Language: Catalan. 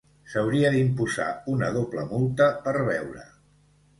S'hauria d'imposar una doble multa per beure.